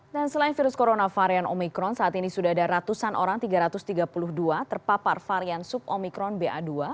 dan selain virus corona varian omikron saat ini sudah ada ratusan orang tiga ratus tiga puluh dua terpapar varian sub omikron ba dua